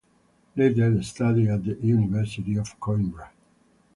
Later he studied at the University of Coimbra.